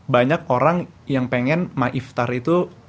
banyak orang yang pengen maiftar itu